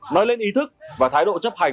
nói lên ý thức và thái độ chấp hành